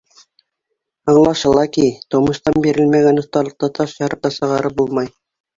Аңлашыла ки, тыумыштан бирелмәгән оҫталыҡты таш ярып та сығарып булмай.